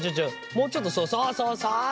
もうちょっとそうそうそうそう。